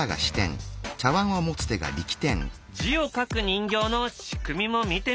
字を書く人形の仕組みも見てみる。